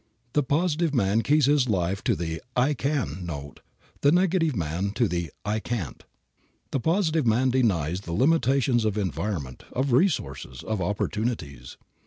The positive man keys his life to the "I can" note, the negative man to the "I can't." The positive man denies the limitations of environment, of resources, of opportunities.